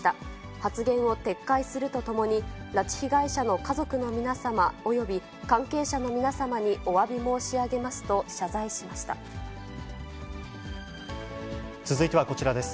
発言を撤回するとともに、拉致被害者の家族の皆様および関係者の皆様におわび申し上げます続いてはこちらです。